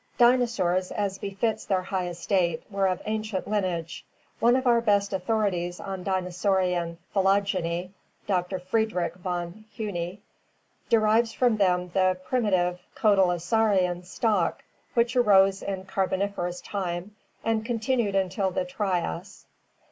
— Dinosaurs, as befits their high estate, were of ancient lineage. One of our best authorities on dinosaurian phy logeny, Doctor Friedrich von Huene, derives them from the primi tive cotylosaurian stock which arose in Carboniferous time and REPTILES AND DINOSAURS 503 continued until the Trias.